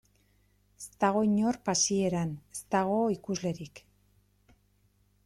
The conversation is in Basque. Ez dago inor pasieran, ez dago ikuslerik.